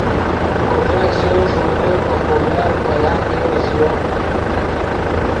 پوگہہ ژے زورے ڤے خوگر پے یاخیو ژیو